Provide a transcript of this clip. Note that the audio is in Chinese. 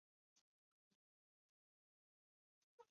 正在半山腰视察的日军军官急忙指挥部队撤往山顶固守。